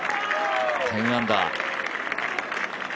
１０アンダー。